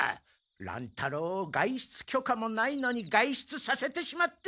乱太郎を外出許可もないのに外出させてしまって！